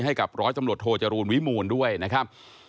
ให้กับร้อยตำรวจโทจรูลวิมูลด้วยนะครับ